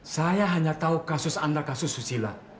saya hanya tahu kasus anda kasus susila